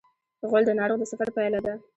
غول د ناروغ د سفر پایله ده.